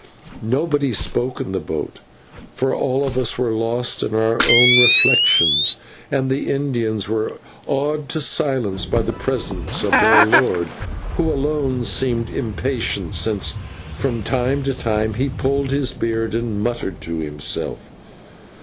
Nobody spoke in the boat, for all of us were lost in our own reflections, and the Indians were awed to silence by the presence of their lord, who alone seemed impatient, since from time to time he pulled his beard and muttered to himself.